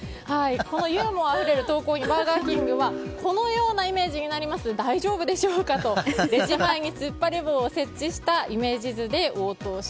このユーモアあふれる投稿にバーガーキングはこのようなイメージになりますが大丈夫でしょうかとレジ前に突っ張り棒を設置したイメージ図ですごい。